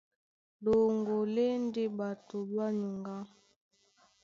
Ɗoŋgo lá e ndé ɓato ɓá nyuŋgá.